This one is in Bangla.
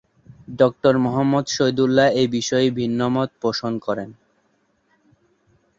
ড. মুহম্মদ শহীদুল্লাহ্ এ বিষয়ে ভিন্ন মত পোষণ করেন।